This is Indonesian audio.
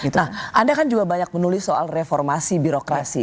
nah anda kan juga banyak menulis soal reformasi birokrasi